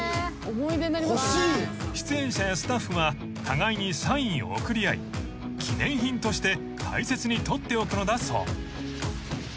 ［出演者やスタッフは互いにサインを贈り合い記念品として大切に取っておくのだそう］